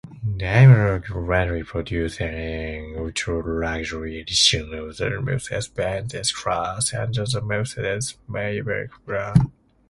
Daimler currently produces an ultra-luxury edition of the Mercedes-Benz S-Class under the Mercedes-Maybach brand.